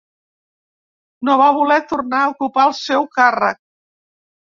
No va voler tornar a ocupar el seu càrrec.